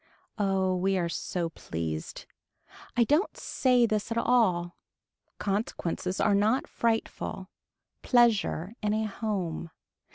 Oh we are so pleased. I don't say this at all. Consequences are not frightful. Pleasure in a home.